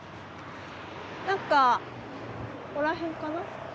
何かここら辺かな。